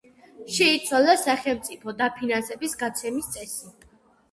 შეიცვალა სახელმწიფო დაფინანსების გაცემის წესი.